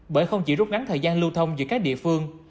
bởi không chỉ rút ngắn thời gian lưu thông giữa các địa phương